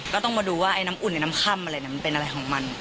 ก็ต้องมาดูว่าไอ้น้ำอุ่นในน้ำค่ำอะไรมันเป็นอะไรของมัน